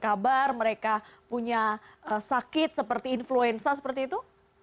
kabar mereka punya sakit seperti influenza seperti itu